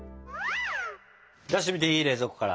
出してみていい？冷蔵庫から。